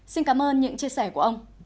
xin cảm ơn những chia sẻ của ông